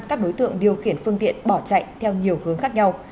các đối tượng điều khiển phương tiện bỏ chạy theo nhiều hướng khác nhau